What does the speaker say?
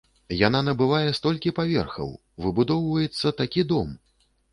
Яна набывае столькі паверхаў, выбудоўваецца такі дом!